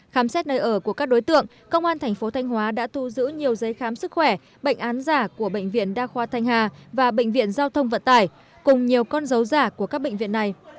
khám xét nơi ở của các đối tượng công an thành phố thanh hóa đã thu giữ nhiều giấy khám sức khỏe bệnh án giả của bệnh viện đa khoa thanh hà và bệnh viện giao thông vận tải cùng nhiều con dấu giả của các bệnh viện này